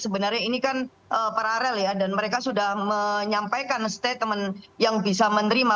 sebenarnya ini kan paralel ya dan mereka sudah menyampaikan statement yang bisa menerima